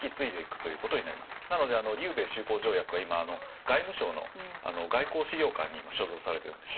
なので琉米修好条約は今外務省の外交史料館に所蔵されてるんです。